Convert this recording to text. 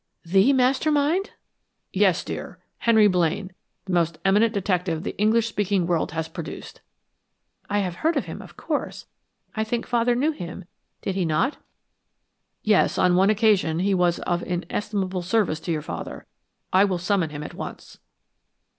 "The Master Mind?" "Yes, dear Henry Blaine, the most eminent detective the English speaking world has produced." "I have heard of him, of course. I think father knew him, did he not?" "Yes, on one occasion he was of inestimable service to your father. I will summon him at once."